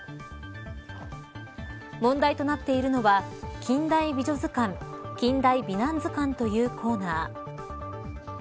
問題となっているのは近大美女図鑑近大美男図鑑というコーナー。